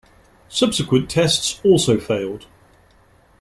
Subsequent tests also failed.